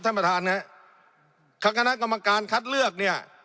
ท่านประธานฮะคณะกรรมการคัดเลือกเนี่ย